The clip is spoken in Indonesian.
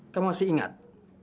kamu masih ingat